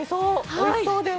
おいしそうです。